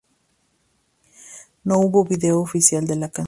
No hubo un video oficial de la canción.